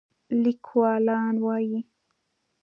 لیکوالان وايي